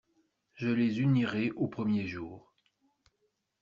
Je les unirai au premier jour.